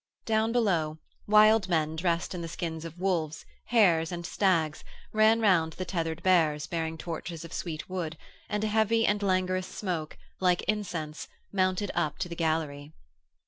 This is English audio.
Down below, wild men dressed in the skins of wolves, hares and stags ran round the tethered bears bearing torches of sweet wood, and a heavy and languorous smoke, like incense, mounted up to the gallery.